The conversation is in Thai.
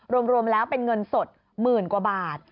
รวมแล้วเป็นเงินสดหมื่นกว่าบาท